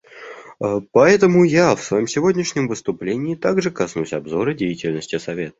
Поэтому я в своем сегодняшнем выступлении также коснусь обзора деятельности Совета.